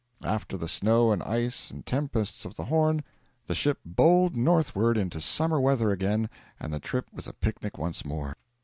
After the snow and ice and tempests of the Horn, the ship bowled northward into summer weather again, and the trip was a picnic once more.